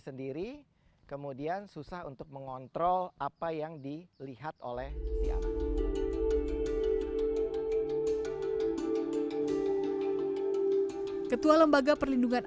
sendiri kemudian susah untuk mengontrol apa yang dilihat oleh siapa ketua lembaga perlindungan